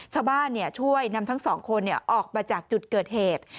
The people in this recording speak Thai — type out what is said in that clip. ชาวบ้านเนี่ยช่วยนำทั้ง๒คนออกมาจากจุดเกิดเหตุ